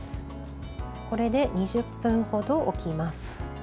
これで、２０分ほど置きます。